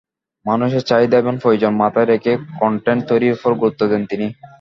মানুষের চাহিদা এবং প্রয়োজন মাথায় রেখে কনটেন্ট তৈরির ওপর গুরুত্ব দেন তিনি।